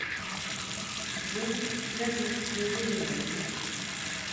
زه نهه کیلې لرم.